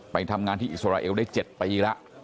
ไปทำงานที่อิสราเอลได้เจ็ดปีละ